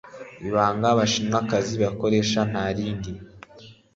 Ibanga abashinwakazi bakoresha nta rindi,